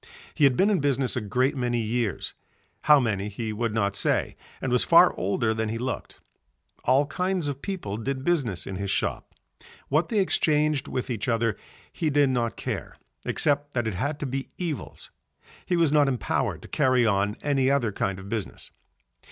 He had been in business a great many years, how many he would not say, and was far older than he looked. All kinds of people did business in his shop. What they exchanged with each other he did not care except that it had to be evils, he was not empowered to carry on any other kind of business.